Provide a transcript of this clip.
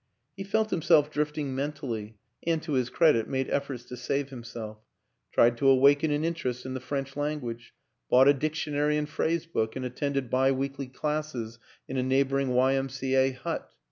He felt himself drifting mentally, and, to his credit, made efforts to save himself; tried to awaken an interest in the French language, bought a dictionary and phrase book and attended bi weekly classes in a neighboring Y. M. C. A. hut.